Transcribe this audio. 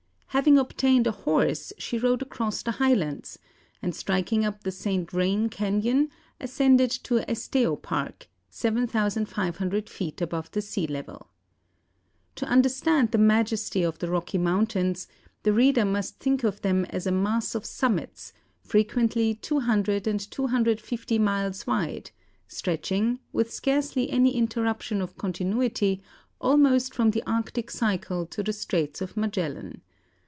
Having obtained a horse she rode across the highlands, and striking up the St. Vrain Canyon ascended to Esteo Park, 7,500 feet above the sea level. To understand the majesty of the Rocky Mountains, the reader must think of them as a mass of summits, frequently 200 and 250 miles wide, stretching, with scarcely any interruption of continuity, almost from the Arctic Circle to the Straits of Magellan.